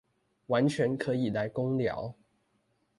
完全可以來工寮